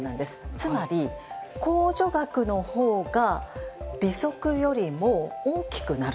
つまり、控除額のほうが利息よりも大きくなる。